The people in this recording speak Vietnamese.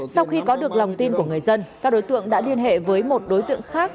sau khi có được lòng tin của người dân các đối tượng đã liên hệ với một đối tượng khác